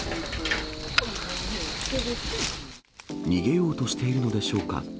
逃げようとしているのでしょうか。